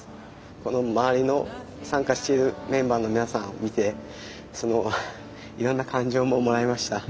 この周りの参加しているメンバーの皆さんを見ていろんな感情ももらいました。